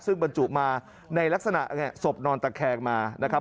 ซึ่งบรรจุมาในลักษณะศพนอนตะแคงมานะครับ